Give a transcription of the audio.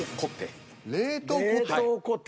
冷凍庫手？